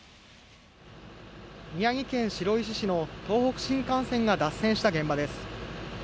宮城県白石市の東北新幹線が脱線した現場です。